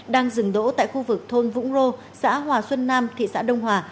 đang dừng đỗ tại khu vực thôn vũng rô xã hòa xuân nam thị xã đông hòa